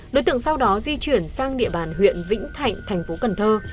đối tượng sau đó di chuyển sang địa bàn huyện vĩnh thạnh tp cnh